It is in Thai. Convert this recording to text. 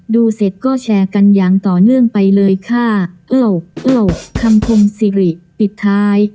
ดูเสร็จก็แชร์กันอย่างต่อเนื่องไปเลยค่ะเอ้าโลกคำคมสิริปิดท้าย